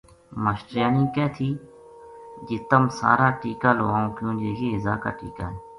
ماشٹریانی کہہ تھی جے تم سارا ٹیکہ لوواؤں کیو ں جے یہ ہیضہ کا ٹیکہ